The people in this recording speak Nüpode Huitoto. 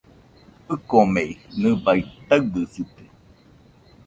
ɨkomei, nɨbaɨ taɨbɨsite.